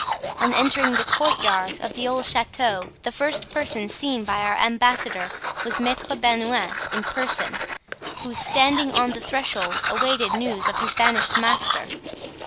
On entering the courtyard of the old chateau the first person seen by our ambassador was Maitre Bernouin in person, who, standing on the threshold, awaited news of his vanished master.